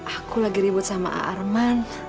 aku lagi ribet sama arman